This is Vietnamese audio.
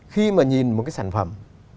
khi mà nhìn một cái sản phẩm